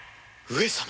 上様！？